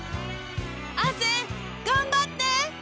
亜生頑張って！